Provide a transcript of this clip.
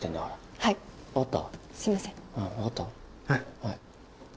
はい。